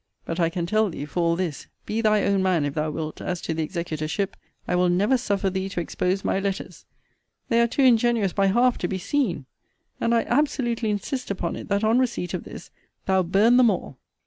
But I can tell thee, for all this, be thy own man, if thou wilt, as to the executorship, I will never suffer thee to expose my letters. They are too ingenuous by half to be seen. And I absolutely insist upon it, that, on receipt of this, thou burn them all.